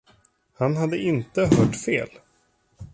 Han hade inte hört fel.